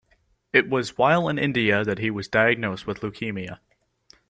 It was while in India that he was diagnosed with leukaemia.